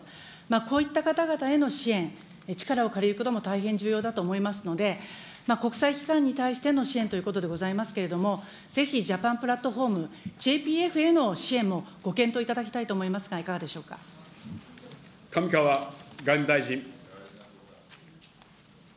こういった方々への支援、力を借りることも大変重要だと思いますので、国際機関に対しての支援ということでございますけれども、ぜひジャパンプラットフォーム、ＪＰＦへの支援もご検討いただきたいと思いますが、いかがでしょ上川外務大臣。